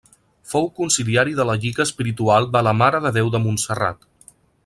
Fou consiliari de la Lliga Espiritual de la Mare de Déu de Montserrat.